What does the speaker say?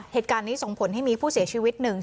เหตุการณ์นี้ส่งผลให้มีผู้เสียชีวิตหนึ่ง